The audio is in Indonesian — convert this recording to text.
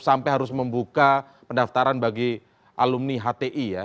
sampai harus membuka pendaftaran bagi alumni hti ya